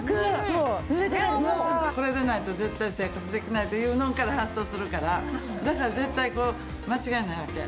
これでないと絶対生活できないというのから発想するからだから絶対こう間違いないわけ。